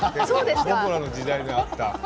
僕らの時代があった。